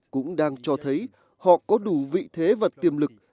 cũng đang cho thấy họ có đủ vị thế và tiềm lực